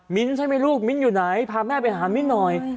ใช่ไหมลูกมิ้นอยู่ไหนพาแม่ไปหามิ้นหน่อย